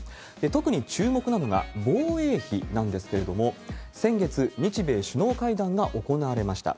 特に注目なのが、防衛費なんですけれども、先月、日米首脳会談が行われました。